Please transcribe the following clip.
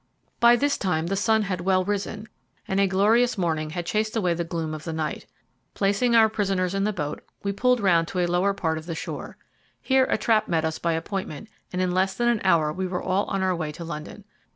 By this time the sun had well risen, and a glorious morning had chased away the gloom of the night. Placing our prisoners in the boat, we pulled round to a lower part of the shore. Here a trap met us by appointment, and in less than an hour we were all on our way to London.